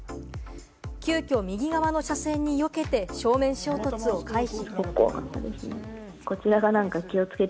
急きょ右側の車線によけて、正面衝突を回避。